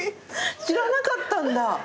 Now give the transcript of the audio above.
知らなかったんだ。